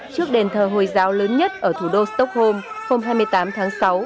trước đền thờ hồi giáo lớn nhất ở thủ đô stockholm hôm hai mươi tám tháng sáu